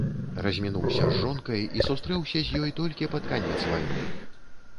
Размінуўся з жонкай і сустрэўся з ёй толькі пад канец вайны.